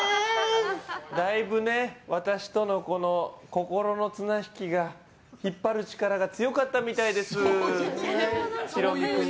だいぶ、私との心の綱引きが引っ張る力が強かったみたいです、しろみ君。